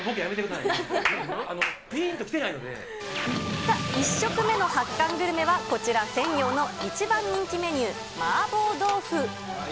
さあ、１食目の発汗グルメは、こちらせん陽の一番人気メニュー、麻婆豆腐。